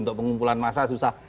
untuk pengumpulan massa susah